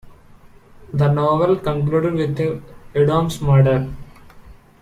The novel concluded with Udomo's murder.